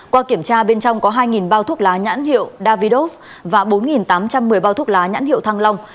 qua kiểm tra bên trong có hai bao thuốc lá nhãn hiệu davidoff và bốn tám trăm một mươi bao thuốc lá nhãn hiệu thăng long